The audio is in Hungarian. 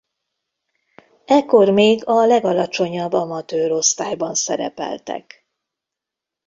Ekkor még a legalacsonyabb amatőr osztályban szerepeltek.